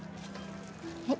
はい。